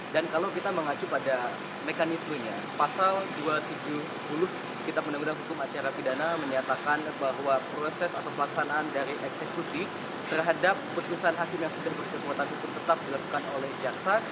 dan kalau kita mengacu pada mekanismenya pasal dua ratus tujuh puluh kitab penduduk hukum acara pidana menyatakan bahwa proses atau pelaksanaan dari eksekusi terhadap putusan hakim yang sedang berkesempatan tutup tetap dilakukan oleh jaksa